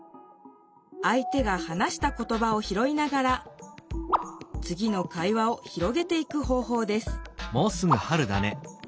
相手が話した言ばをひろいながらつぎの会話を広げていく方ほうです